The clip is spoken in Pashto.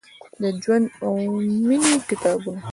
د ژوند او میینې کتابونه ،